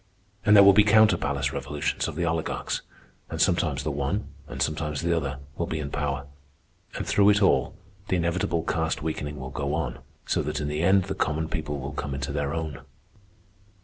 And there will be counter palace revolutions of the oligarchs, and sometimes the one, and sometimes the other, will be in power. And through it all the inevitable caste weakening will go on, so that in the end the common people will come into their own."